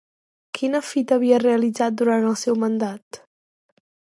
Quina fita havia realitzat durant el seu mandat?